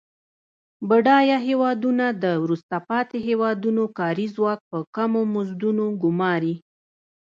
بډایه هیوادونه د وروسته پاتې هېوادونو کاري ځواک په کمو مزدونو ګوماري.